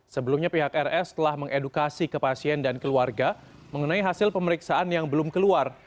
sebelumnya pihak rs telah mengedukasi ke pasien dan keluarga mengenai hasil pemeriksaan yang belum keluar